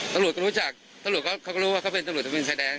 ตฤษฎก็รู้จักตฤษฎเขาก็รู้ว่าก็เป็นตฤษฎกเป็นใชดแดง